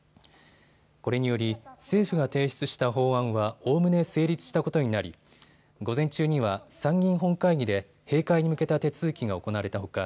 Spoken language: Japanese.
これにより政府が提出した法案はおおむね成立したことになり午前中には参議院本会議で閉会に向けた手続きが行われたほか